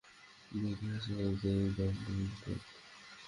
মেহেদী হাসান তালুকদার এই দণ্ড দেন।